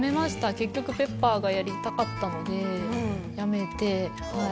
結局ペッパーがやりたかったので辞めてはい。